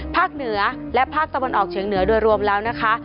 เหนือและภาคตะวันออกเฉียงเหนือโดยรวมแล้วนะคะ